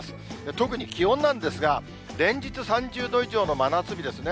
特に気温なんですが、連日３０度以上の真夏日ですね。